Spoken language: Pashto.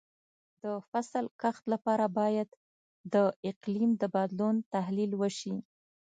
د فصل کښت لپاره باید د اقلیم د بدلون تحلیل وشي.